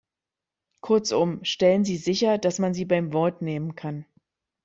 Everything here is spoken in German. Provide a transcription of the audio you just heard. Kurzum, stellen Sie sicher, dass man Sie beim Wort nehmen kann.